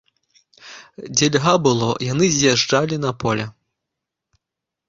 Дзе льга было, яны з'язджалі на поле.